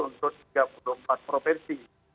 untuk tiga puluh empat provinsi